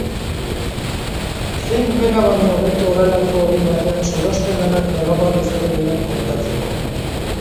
Zein bera baino hobeto horrelako egun batean sorospen lanak nolakoak izaten diren kontatzeko.